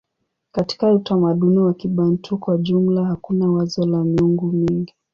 Katika utamaduni wa Kibantu kwa jumla hakuna wazo la miungu mingi.